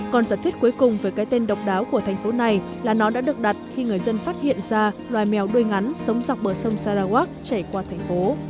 còn giả thuyết cuối cùng về cái tên độc đáo của thành phố này là nó đã được đặt khi người dân phát hiện ra loài mèo đuôi ngắn sống dọc bờ sông saraguak chảy qua thành phố